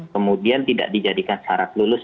kemudian tidak dijadikan syarat lulus